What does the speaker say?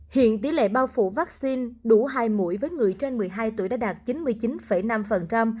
hiện tỷ lệ bao phủ vaccine đủ hai mũi với người trên một mươi hai tuổi đã đạt chín mươi chín năm